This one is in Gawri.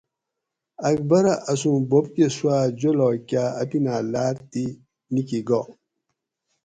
اکبرہ اسوں بوب کہ سوا جولاگ کا اپینہ لار تی نِکی گا